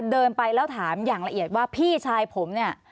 เดินไปแล้วถามอย่างละเอียดว่าพี่ชายผมเนี่ย